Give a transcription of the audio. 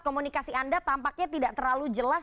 komunikasi anda tampaknya tidak terlalu jelas